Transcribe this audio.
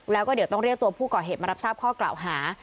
แล้วก็เดี๋ยวต้องเรียกตัวผู้ก่อเหตุมารับทราบข้อกล่าวหา